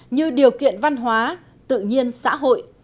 như điều kiện văn hóa tự nhiên xã hội